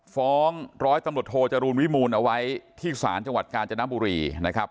ฟ้องร้อยตำรวจโทจรูลวิมูลเอาไว้ที่ศาลจังหวัดกาญจนบุรีนะครับ